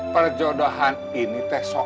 perjodohan ini tuh pak